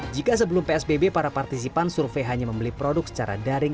jika sebelum psbb para partisipan survei hanya membeli produk secara daring